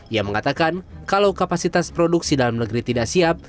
ia mengatakan kalau kapasitas produksi dalam negeri tidak siap